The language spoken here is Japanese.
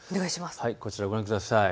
こちらご覧ください。